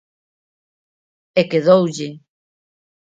E quedoulle.